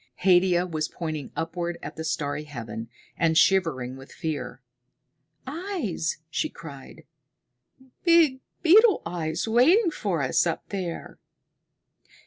Haidia was pointing upward at the starry heaven, and shivering with fear. "Eyes!" she cried. "Big beetles waiting for us up there!"